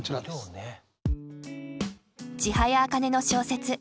千早茜の小説